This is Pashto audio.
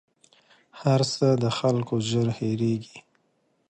هر څه د خلکو ژر هېرېـږي